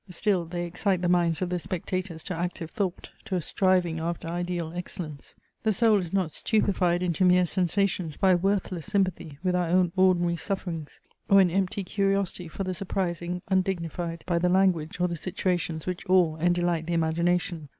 Still they excite the minds of the spectators to active thought, to a striving after ideal excellence. The soul is not stupefied into mere sensations by a worthless sympathy with our own ordinary sufferings, or an empty curiosity for the surprising, undignified by the language or the situations which awe and delight the imagination.